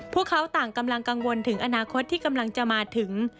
พวกเขาต่างกำลังกังวลถึงอนาคตที่กำลังจะมาถึง